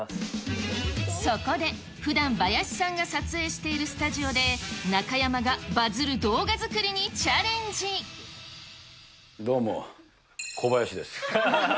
そこで、ふだんバヤシさんが撮影しているスタジオで、中山がバズる動画作どうも、コバヤシです。